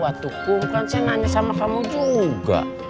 aku kan senangnya sama kamu juga